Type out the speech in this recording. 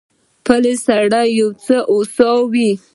پلی سړی یو څه هوسا وي.